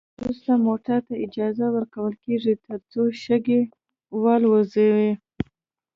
وروسته موټرو ته اجازه ورکول کیږي ترڅو شګې والوزوي